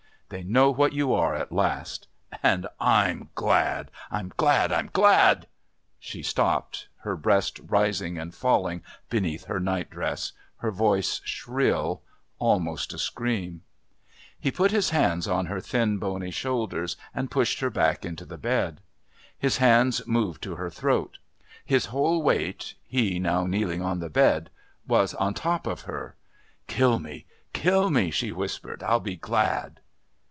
They know what you are at last. And I'm glad! I'm glad! I'm glad!" She stopped, her breast rising and falling beneath her nightdress, her voice shrill, almost a scream. He put his hands on her thin bony shoulders and pushed her back into the bed. His hands moved to her throat. His whole weight, he now kneeling on the bed, was on top of her. "Kill me! Kill me!" she whispered. "I'll be glad."